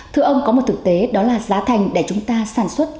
thưa ông có một thực tế đó là giá thành để chúng ta sản xuất